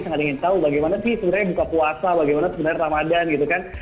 sangat ingin tahu bagaimana sih sebenarnya buka puasa bagaimana sebenarnya ramadhan gitu kan